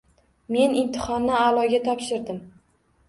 Men imtihonni aʼloga topshirdim.